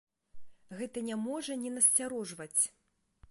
Гэта не можа не насцярожваць.